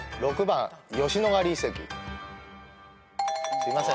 すいません。